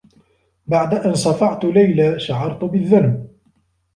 بعد أن صفعت ليلى، شعرت بالذّنب.